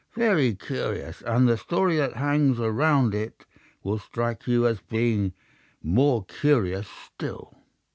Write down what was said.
"Very curious, and the story that hangs round it will strike you as being more curious still."